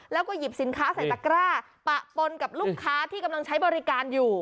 แล้วก็หยิบสินค้าใส่ตะกร้าปะปนกับลูกค้าที่กำลังใช้บริการอยู่